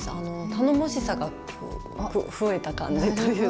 頼もしさが増えた感じというか。